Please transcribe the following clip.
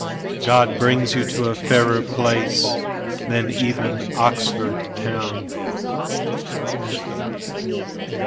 God bring you to a fairer placeThan even Oxford town.